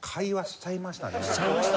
しちゃいましたね。